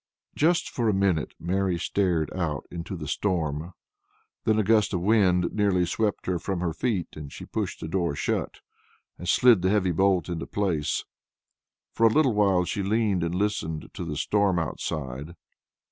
Just for a minute Mary stared out into the storm. Then a gust of wind nearly swept her from her feet, and she pushed the door shut, and slid the heavy bolt into place. For a little while she leaned and listened to the storm outside.